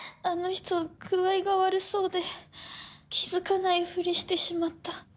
あの人具合が悪そうで気付かないふりしてしまった。